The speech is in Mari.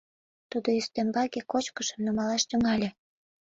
Тудо ӱстембаке кочкышым нумалаш тӱҥале.